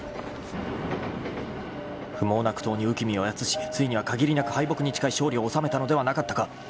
［不毛な苦闘に憂き身をやつしついには限りなく敗北に近い勝利を収めたのではなかったか！］